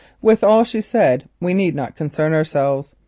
With all she said we need not concern ourselves.